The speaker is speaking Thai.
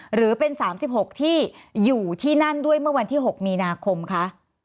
หรือเป็น๓๖ที่อยู่ที่นั่นด้วยเมื่อวันที่๖มีนาคมคะ